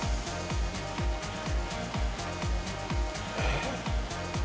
えっ？